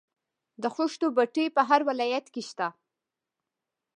د خښتو بټۍ په هر ولایت کې شته